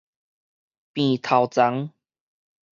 辮頭髮